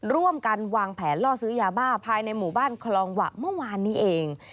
ร่วมกันวางแผนล่อซื้อยาบ้าภายในหมู่บ้านคลองหวะเมื่อวานนี้เอง